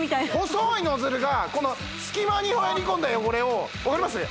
細いノズルがこの隙間に入り込んだ汚れを分かりますね？